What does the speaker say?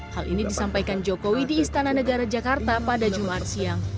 hal ini disampaikan jokowi di istana negara jakarta pada jumat siang